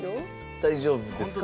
大丈夫ですか？